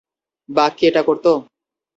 বাক কি এটা করত?